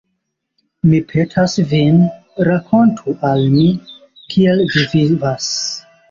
Mi petas vin, rakontu al mi, kiel vi vivas.